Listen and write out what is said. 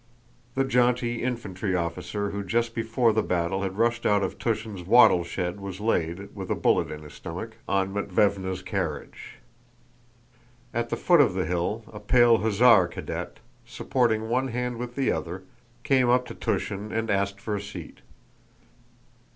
The jaunty infantry officer who just before the battle had rushed out of Túshin's wattle shed was laid, with a bullet in his stomach, on "Matvévna's" carriage. At the foot of the hill, a pale hussar cadet, supporting one hand with the other, came up to Túshin and asked for a seat.